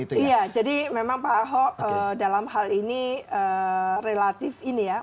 iya jadi memang pak ahok dalam hal ini relatif ini ya